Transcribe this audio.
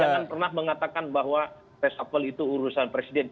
dan jangan pernah mengatakan bahwa resapel itu urusan presiden